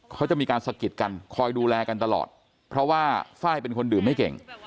เขาจะมีการสะกิดกันคอยดูแลกันตลอดเพราะว่าไฟล์เป็นคนดื่มไม่เก่ง